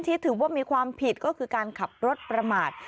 ถือว่ามีความผิดก็คือการขับรถประมาท